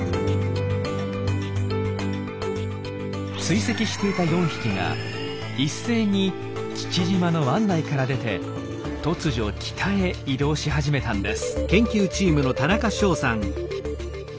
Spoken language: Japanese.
追跡していた４匹が一斉に父島の湾内から出て突如北へ移動し始めたんです。